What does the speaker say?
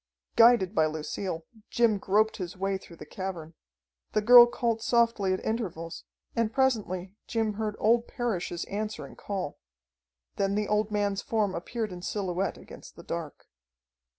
Guided by Lucille, Jim groped his way through the cavern. The girl called softly at intervals, and presently Jim heard old Parrish's answering call. Then the old man's form appeared in silhouette against the dark.